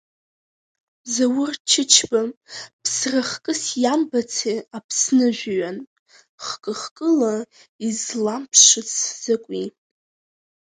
Заур Чычба ԥсрахкыс иамбаци Аԥсныжәҩан, хкы-хкыла изламԥшыц закәи.